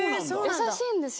優しいんですよ。